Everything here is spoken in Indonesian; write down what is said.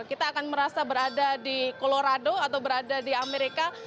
kita akan merasa berada di colorado atau berada di amerika